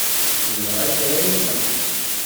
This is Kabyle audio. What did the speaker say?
Zemreɣ ad k-ɛawneɣ.